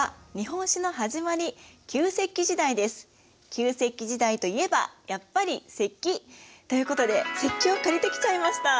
旧石器時代といえばやっぱり石器！ということで石器を借りてきちゃいました。